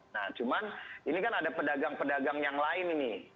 nah cuman ini kan ada pedagang pedagang yang lain ini